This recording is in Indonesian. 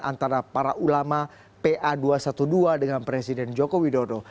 antara para ulama pa dua ratus dua belas dengan presiden joko widodo